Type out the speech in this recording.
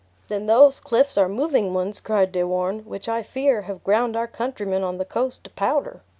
"Then those cliffs are moving ones," cried De Warenne, "which, I fear, have ground our countrymen on the coast to powder!